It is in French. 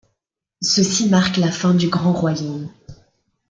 Ceci marque la fin du Grand-Royaume.